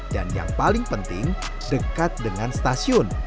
yang paling penting dekat dengan stasiun